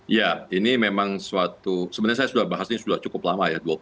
ya ini memang suatu sebenarnya saya sudah bahas ini sudah cukup lama ya